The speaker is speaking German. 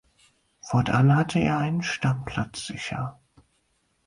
Fortan hatte er einen Stammplatz sicher.